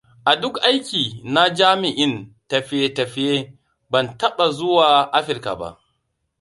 A duk aiki na jami'in tafiye-tafiye, ban taɓa zuwa Afrika ba.